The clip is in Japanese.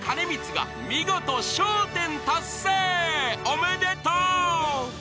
［おめでとう］